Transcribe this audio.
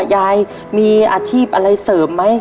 ยายมีอาชีพอะไรเสริมไหม